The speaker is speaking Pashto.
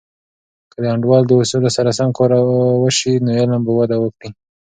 که د انډول د اصولو سره سم کار وسي، نو علم به وده وکړي.